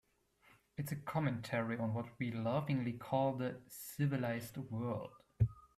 It's a commentary on what we laughingly call the civilized world.